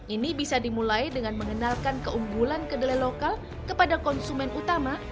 ini bisa dimulai dengan mengenalkan keunggulan kedelai lokal kepada konsumen utama